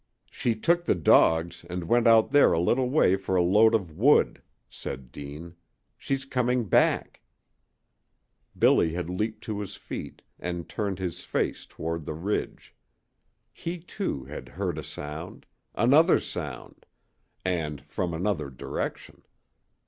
"She took the dogs and went out there a little way for a load of wood," said Deane. "She's coming back." Billy had leaped to his feet, and turned his face toward the ridge. He, too, had heard a sound another sound, and from another direction.